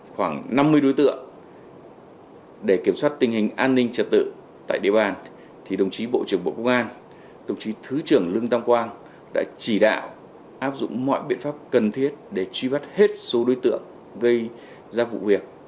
khoảng năm mươi đối tượng để kiểm soát tình hình an ninh trật tự tại địa bàn thì đồng chí bộ trưởng bộ công an đồng chí thứ trưởng lương tâm quang đã chỉ đạo áp dụng mọi biện pháp cần thiết để truy bắt hết số đối tượng gây ra vụ việc